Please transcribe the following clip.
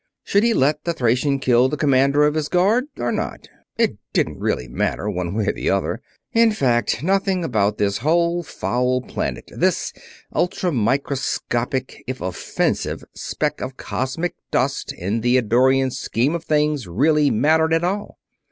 Should he let the Thracian kill the Commander of his Guard? Or not? It didn't really matter, one way or the other. In fact, nothing about this whole foul planet this ultra microscopic, if offensive, speck of cosmic dust in the Eddorian Scheme of Things really mattered at all.